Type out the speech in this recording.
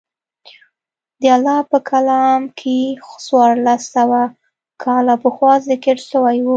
د الله په کلام کښې څوارلس سوه کاله پخوا ذکر سوي وو.